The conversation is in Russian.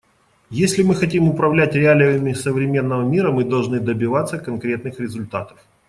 Если мы хотим управлять реалиями современного мира, мы должны добиваться конкретных результатов.